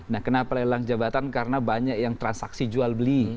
nah kenapa lelang jabatan karena banyak yang transaksi jual beli